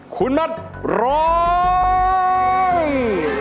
คุณนัทร้อง